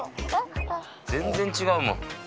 全然違うもん。